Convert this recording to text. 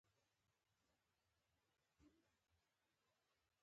که جدي غور ونشي انساني بقا له خطر سره مخ ده.